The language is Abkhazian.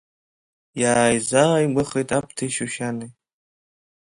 Иааизааигәахеит Аԥҭеи Шьушьанеи.